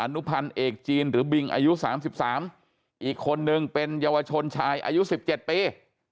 นุพันธ์เอกจีนหรือบิงอายุ๓๓อีกคนนึงเป็นเยาวชนชายอายุ๑๗ปี